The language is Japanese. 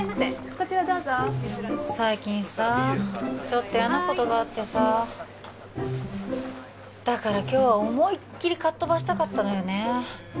こちらどうぞ最近さちょっと嫌なことがあってさだから今日は思いっきりかっ飛ばしたかったのよね